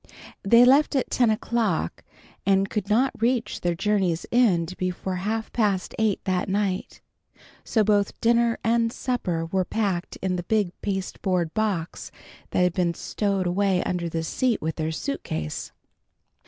They left at ten o'clock, and could not reach their journey's end before half past eight that night. So both dinner and supper were packed in the big pasteboard box which had been stowed away under the seat with their suitcase.